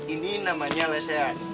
ini namanya lessean